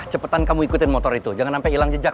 cepetan kamu ikutin motor itu jangan sampai hilang jejak